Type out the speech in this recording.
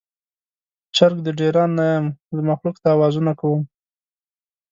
چرګ د ډیران نه یم، زه مخلوق ته اوازونه کوم